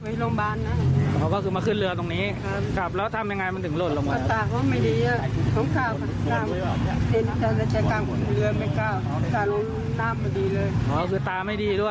ผมนั่งอยู่หน้าร้านขายแผลโรตเตอรี่